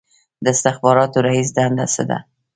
د استخباراتو رییس دنده څه ده؟